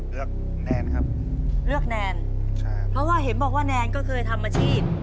แนนครับเลือกแนนใช่เพราะว่าเห็นบอกว่าแนนก็เคยทำอาชีพ